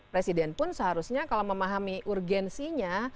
presiden pun seharusnya kalau memahami urgensinya